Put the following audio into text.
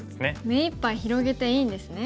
目いっぱい広げていいんですね。